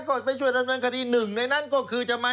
ก็ไปช่วยดำเนินคดีหนึ่งในนั้นก็คือจะมา